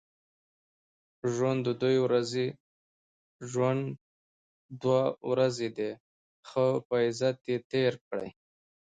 ژوند دوې ورځي دئ؛ ښه په عزت ئې تېر کئ!